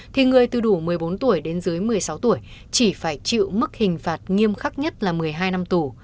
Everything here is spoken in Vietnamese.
thì người từ đủ một mươi bốn tuổi đến dưới một mươi sáu tuổi chỉ phải chịu mức hình phạt nghiêm khắc nhất là một mươi hai năm tù